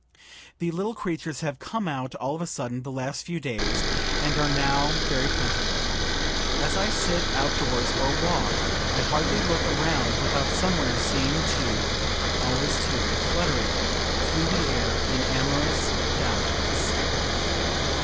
The little creatures have come out all of a sudden the last few days, and are now very plentiful. As I sit outdoors, or walk, I hardly look around without somewhere seeing two (always two) fluttering through the air in amorous dalliance.